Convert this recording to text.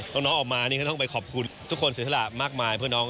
น้องออกมานี่ก็ต้องไปขอบคุณทุกคนเสียสละมากมายเพื่อน้อง